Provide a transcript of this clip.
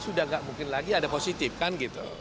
sudah tidak mungkin lagi ada positif kan gitu